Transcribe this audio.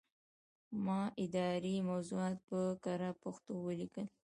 ما اداري موضوعات په کره پښتو ولیکل.